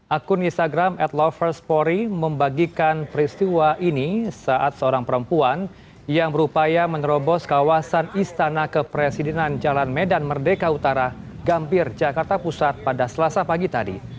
akun instagram at loverspori membagikan peristiwa ini saat seorang perempuan yang berupaya menerobos kawasan istana kepresidenan jalan medan merdeka utara gambir jakarta pusat pada selasa pagi tadi